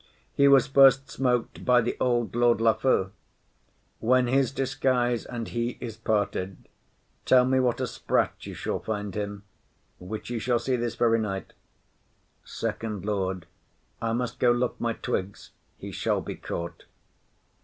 He was first smok'd by the old Lord Lafew; when his disguise and he is parted, tell me what a sprat you shall find him; which you shall see this very night. FIRST LORD. I must go look my twigs. He shall be caught.